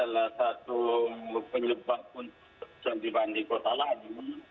jadi salah satu penyebab pun contoh dibandingkan salah satu